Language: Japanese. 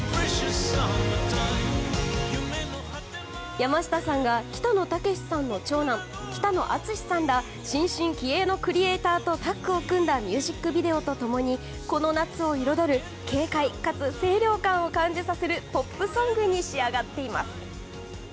山下さんが北野武さんの長男・北野篤さんら新進気鋭のクリエーターとタッグを組んだミュージックビデオと共にこの夏を彩る軽快かつ清涼感を感じさせるポップソングに仕上がっています。